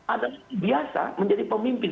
adalah biasa menjadi pemimpin